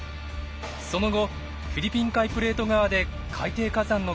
その後フィリピン海プレート側で海底火山の活動が活発化。